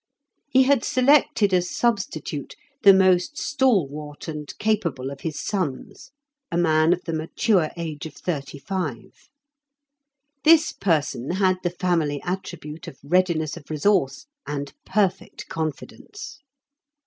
He had selected as substitute the most stalwart and capable of his sons, a man of the mature age of thirty five. This person had the family attribute of readiness of resource and perfect confidence.